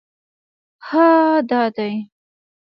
_هه! دا دی!